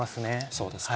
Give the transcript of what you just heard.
そうですか。